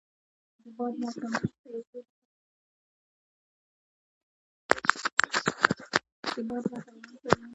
پښې څلور ځلې د ځمکې شاوخوا قدم وهي.